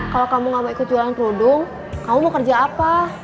kalau kamu gak mau ikut jualan kerudung kamu mau kerja apa